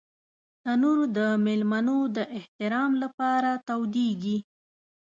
تنور د مېلمنو د احترام لپاره تودېږي